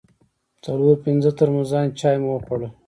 څلور پنځه ترموزان چای مو وخوړل.